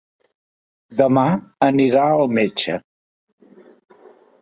Demà irà al metge.